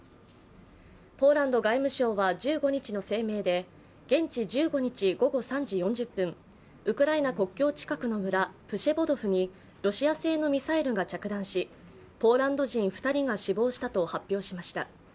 ポーランド外務省は１５日の声明で現地１５日午後３時４０分、ウクライナ国境近くの村、プシェボドフにロシア製のミサイルが着弾しポーランド人２人が死亡したと発表しました。